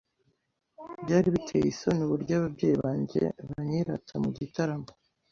Byari biteye isoni uburyo ababyeyi banjye banyirata mu gitaramo.